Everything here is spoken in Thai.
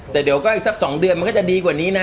แต่เดี๋ยวอีกสักสองเดือนก็จะดีกว่านี้นะ